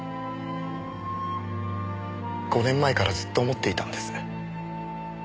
５年前からずっと思っていたんです。